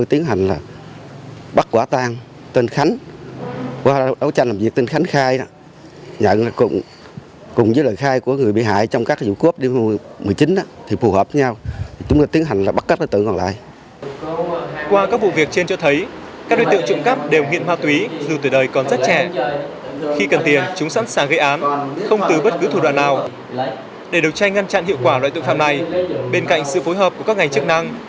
tiến hành bắt tạm giam đối với nguyễn hoàng vũ và đoàn quốc thuận cùng chú tại huyện phung hiệp tỉnh học giang